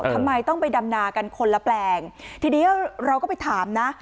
ทำไมต้องไปดำนากันคนละแปลงทีนี้เราก็ไปถามนะ